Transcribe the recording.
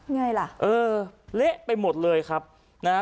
ไงล่ะเออเละไปหมดเลยครับนะฮะ